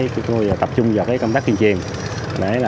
chúng tôi tập trung vào công tác chuyên truyền